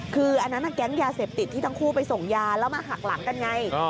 คืออันนั้นแก๊งยาเสพติดที่ทั้งคู่ไปส่งยาแล้วมาหักหลังกันไง